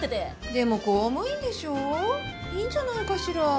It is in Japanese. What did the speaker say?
でも公務員でしょ？いいんじゃないかしら。